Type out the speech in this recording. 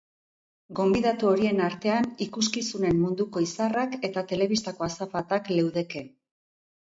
Gonbidatu horien artean ikuskizunen munduko izarrak eta telebistako azafatak leudeke.